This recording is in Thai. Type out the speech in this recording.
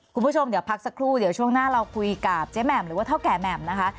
คุณผู้ชมเดี๋ยวพักสักครู่เดี๋ยวช่วงหน้าเราคุยกับเจ๊แหม่มหรือว่าเท่าแก่แหม่มนะคะ